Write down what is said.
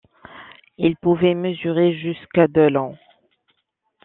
Il pouvait mesurer jusqu'à de long.